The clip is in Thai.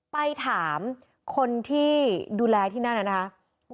ไปถามคนที่ดูแลที่นั่นนะครับ